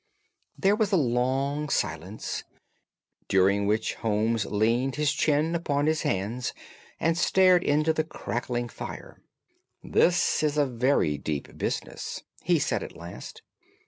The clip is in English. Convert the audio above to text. There was a long silence, during which Holmes leaned his chin upon his hands and stared into the crackling fire. "This is a very deep business," he said at last.